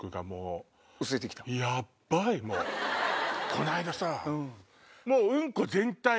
この間さ。